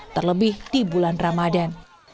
terlebih di bulan ramadan